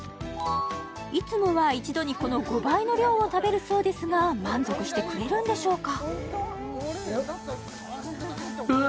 いつもは一度にこの５倍の量を食べるそうですが満足してくれるんでしょうか